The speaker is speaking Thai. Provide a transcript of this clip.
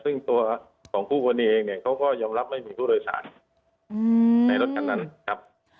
ซึ่งตัวของคู่กรณีเองเนี่ยเขาก็ยอมรับไม่มีผู้โดยสารในรถคันนั้นครับ